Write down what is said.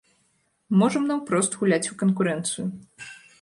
Можам наўпрост гуляць у канкурэнцыю.